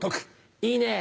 いいね。